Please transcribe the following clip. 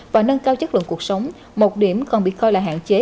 và nâng cao chất lượng cuộc sống một điểm còn bị coi là hạn chế